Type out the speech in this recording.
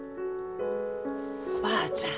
おばあちゃん